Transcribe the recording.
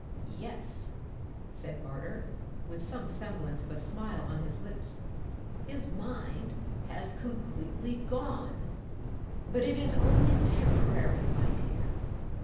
"Yes," said Barter, with a semblance of a smile on his lips, "his mind has completely gone. But it is only temporary, my dear.